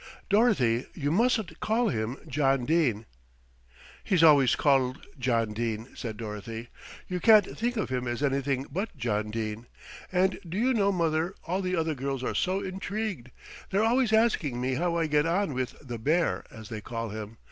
"Dorothy, you mustn't call him 'John Dene." "He's always called 'John Dene,'" said Dorothy. "You can't think of him as anything but John Dene, and do you know, mother, all the other girls are so intrigued. They're always asking me how I get on with 'the bear,' as they call him.